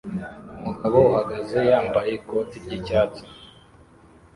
Umugabo uhagaze yambaye ikote ry'icyatsi